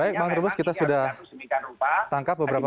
artinya memang ini harus diingat rupa